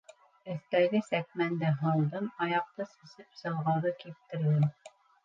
Өҫтәге сәкмәнде һалдым, аяҡты сисеп, сылғауҙы киптерҙем.